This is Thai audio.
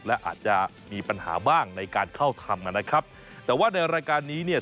และอาจจะมีปัญหาบ้างในการเข้าทำกันนะครับแต่ว่าในรายการนี้เนี่ย